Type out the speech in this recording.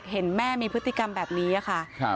พนักงานในร้าน